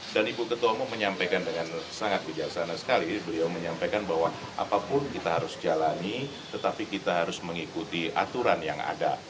dan ibu ketua umarudin menyampaikan dengan sangat bijaksana sekali beliau menyampaikan bahwa apapun kita harus jalani tetapi kita harus mengikuti aturan yang ada